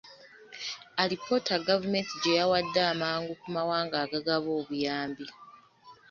Alipoota gavumenti gye yawadde agamu ku mawanga agagaba obuyambi .